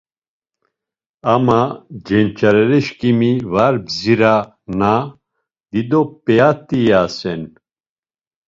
Ama cenç̌arerişǩimi var bzira na dido p̌eat̆i iyasen.